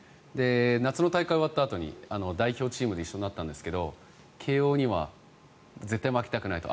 夏の大会が終わったあとに代表チームで一緒になったんですけど慶応には絶対負けたくないと。